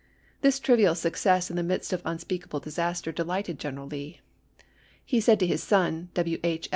This trivial success in the midst of unspeakable disaster delighted General Lee. He said to his son, W. H.